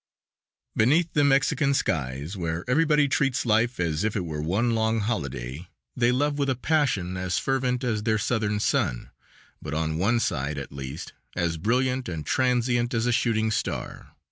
_ Beneath the Mexican skies, where everybody treats life as if it were one long holiday, they love with a passion as fervent as their Southern sun, but on one side at least as brilliant and transient as a shooting star.